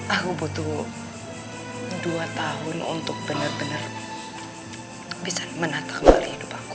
aku butuh dua tahun untuk benar benar bisa menata kembali hidup aku